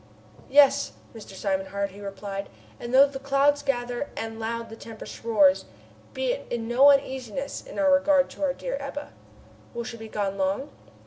"Yes, Mr. Simon Hart," he replied, "and though the clouds gather and loud the tempest roars, be in no uneasiness in regard to our dear Ebba." "Will she be gone long?"